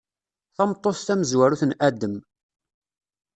Tameṭṭut tamezwarut n Adem.